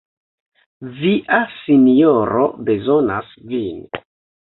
Via sinjoro bezonas vin!